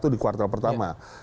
lima satu di kuartal pertama